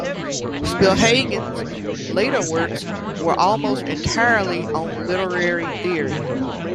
Spielhagen's later works were almost entirely on literary theory.